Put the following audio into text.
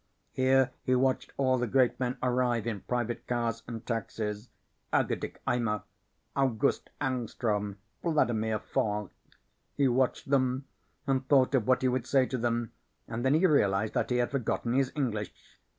Here he watched all the great men arrive in private cars and taxis: Ergodic Eimer, August Angstrom, Vladimir Vor. He watched them and thought of what he would say to them, and then he realized that he had forgotten his English.